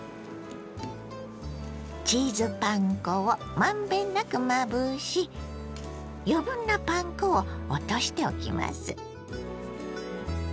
チーズパン粉をまんべんなくまぶし余分なパン粉を落としておきます。